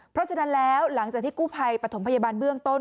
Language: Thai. เพราะฉะนั้นแล้วหลังจากที่กู้ภัยปฐมพยาบาลเบื้องต้น